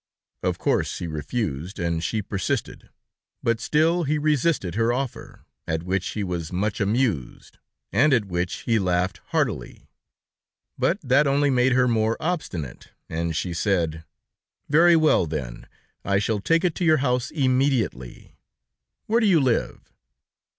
Of course he refused, and she persisted, but still he resisted her offer, at which he was much amused, and at which he laughed heartily; but that only made her more obstinate, and she said: "Very well, then, I shall take it to your house immediately. Where do you live?"